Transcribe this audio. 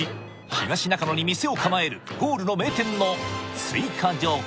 東中野に店を構えるゴールの名店の追加情報